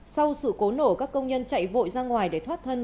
sau sự cố nổ các công nhân chạy vội ra ngoài để thoát thân